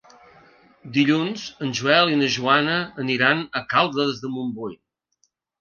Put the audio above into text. Dilluns en Joel i na Joana aniran a Caldes de Montbui.